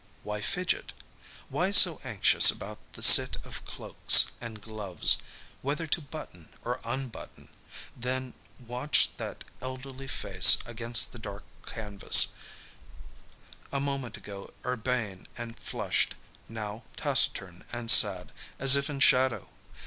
Why fidget? Why so anxious about the sit of cloaks; and gloves whether to button or unbutton? Then watch that elderly face against the dark canvas, a moment ago urbane and flushed; now taciturn and sad, as if in shadow.